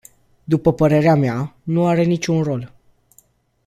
După părerea mea, nu are niciun rol.